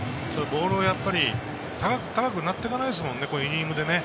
ボールを高くなっていかないですからね、イニングで。